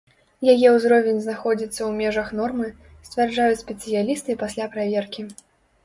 Яе ўзровень знаходзіцца ў межах нормы, сцвярджаюць спецыялісты пасля праверкі.